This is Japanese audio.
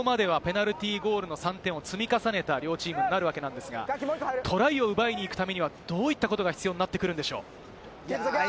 大西さん、こういったここまではペナルティーゴールの３点を積み重ねた両チームになるわけですが、トライを奪いにいくためには、どういったことが必要ですか？